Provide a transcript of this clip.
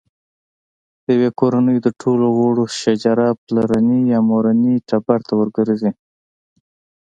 د یوې کورنۍ د ټولو غړو شجره پلرني یا مورني ټبر ته ورګرځي.